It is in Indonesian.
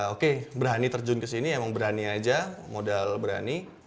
oke berani terjun ke sini emang berani aja modal berani